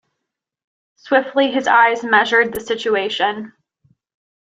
Swiftly his eyes measured the situation.